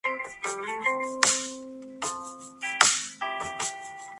Muchas de ellas son pequeñas y transparentes lo cual facilita su estudio.